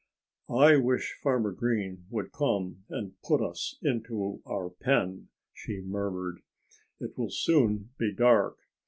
"I wish Farmer Green would come and put us into our pen," she murmured. "It will soon be dark.